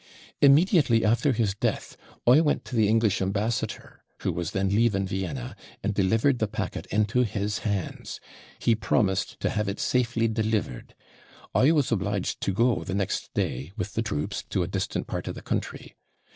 Immediately after his death, I went to the English ambassador, who was then leaving Vienna, and delivered the packet into his hands; he promised to have it safely delivered. I was obliged to go the next day, with the troops, to a distant part of the country.